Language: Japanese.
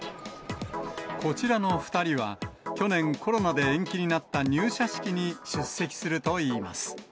こちらの２人は去年、コロナで延期になった入社式に出席するといいます。